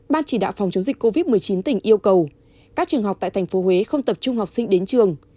ban chỉ đạo phòng chống dịch covid một mươi chín tỉnh yêu cầu các trường học tại tp huế không tập trung học sinh đến trường